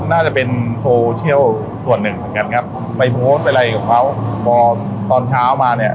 น่าจะเป็นส่วนหนึ่งแบบนั้นครับไปโม้นไปไรกับเขาบอกตอนเช้ามาเนี่ย